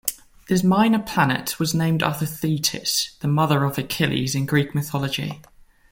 This minor planet was named after Thetis, the mother of Achilles in Greek mythology.